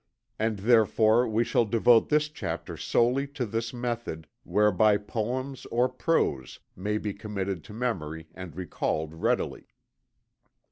And therefore we shall devote this chapter solely to this method whereby poems or prose may be committed to memory and recalled readily.